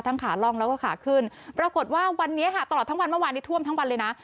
ขาล่องแล้วก็ขาขึ้นปรากฏว่าวันนี้ค่ะตลอดทั้งวันเมื่อวานนี้ท่วมทั้งวันเลยนะ